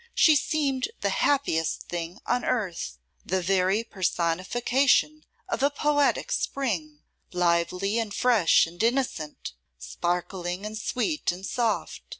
She seemed the happiest thing on earth; the very personification of a poetic spring; lively, and fresh, and innocent; sparkling, and sweet, and soft.